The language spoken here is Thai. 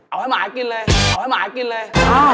ออกให้หมากินเลย